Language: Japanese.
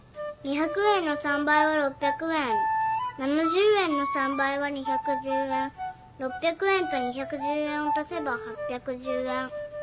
２００円の３倍は６００円７０円の３倍は２１０円６００円と２１０円を足せば８１０円。